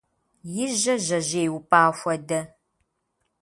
И жьэ жьэжьей упӏа хуэдэ.